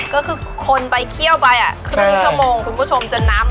ก็คือคนไปเที่ยวไปอ่ะครึ่งชั่วโมงคุณผู้ชมจนน้ำมันมวด